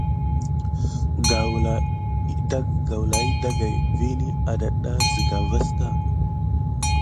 Gawla ɗagaï vini adata sika vaska.